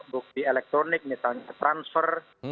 bukti elektronik misalnya transfer